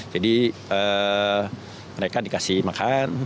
jadi mereka dikasih makan